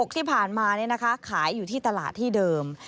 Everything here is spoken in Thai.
ที่ผ่านมาขายอยู่ที่ตลาดที่เดิม